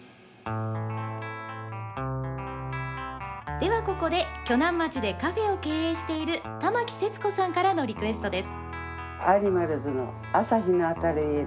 では、ここで鋸南町でカフェを経営している玉木節子さんからのリクエストです。